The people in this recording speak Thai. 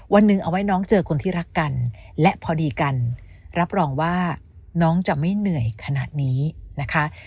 วันหนึ่งเอาไว้น้องเจอคนที่รักกันและพอดีกันรับรองว่าน้องจะไม่เหนื่อยขนาดนี้นะคะ